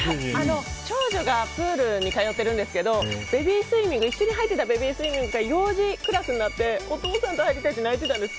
長女がプールに通ってるんですけど一緒に入ってたベビースイミングが幼児クラスになってお父さんと入りたいって泣いてたんです。